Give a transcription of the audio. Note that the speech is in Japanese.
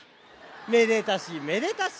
めでたしめでたし。